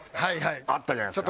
あったじゃないですか。